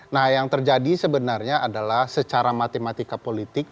nah yang terjadi sebenarnya adalah secara matematika politik